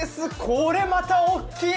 これまた大きい！